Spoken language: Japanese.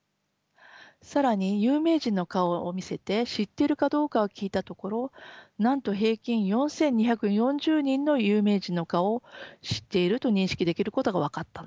更に有名人の顔を見せて知っているかどうかを聞いたところなんと平均４，２４０人の有名人の顔を知っていると認識できることが分かったのです。